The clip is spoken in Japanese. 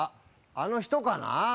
あの人かな？